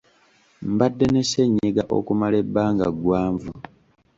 Mbadde ne ssenyiga okumala ebbanga ggwanvu.